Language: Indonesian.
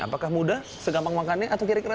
apakah mudah segampang makannya atau kiri kiri